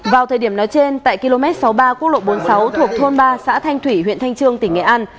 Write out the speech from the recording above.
vào thời điểm nói trên tại km sáu mươi ba quốc lộ bốn mươi sáu thuộc thôn ba xã thanh thủy huyện thanh trương tỉnh nghệ an